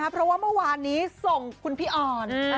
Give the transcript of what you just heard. เพราะว่าเมื่อวานนี้ส่งคุณพี่ออน